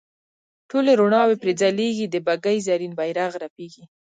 ټولې روڼاوې پرې ځلیږي د بګۍ زرین بیرغ رپیږي.